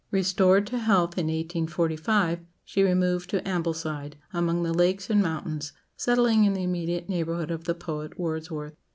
Restored to health in 1845, she removed to Ambleside, among the lakes and mountains, settling in the immediate neighbourhood of the poet Wordsworth.